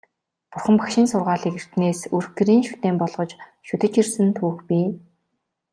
Бурхан Багшийн сургаалыг эртнээс өрх гэрийн шүтээн болгож шүтэж ирсэн түүх бий.